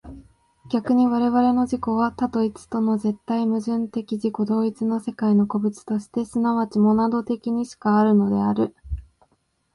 逆に我々の自己は多と一との絶対矛盾的自己同一の世界の個物として即ちモナド的にしかあるのである。